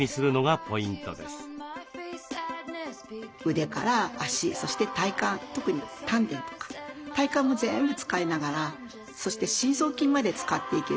腕から足そして体幹特に丹田とか体幹も全部使いながらそして深層筋まで使っていける。